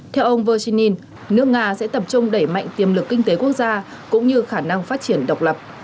theo ông verin nước nga sẽ tập trung đẩy mạnh tiềm lực kinh tế quốc gia cũng như khả năng phát triển độc lập